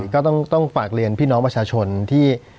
ก็ต้องฝากเรียนพี่น้องประชาชนที่